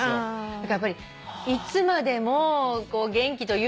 だからいつまでも元気というか。